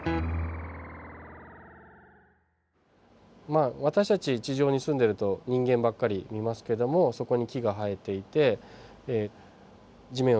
まあ私たち地上に住んでいると人間ばっかり見ますけどもそこに木が生えていて地面を見れば虫がいますね。